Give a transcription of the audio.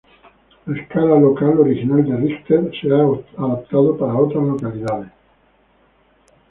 La escala "local" original de Richter se ha adaptado para otras localidades.